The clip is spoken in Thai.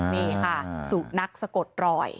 นี่ค่ะสุนัขสะกดรอย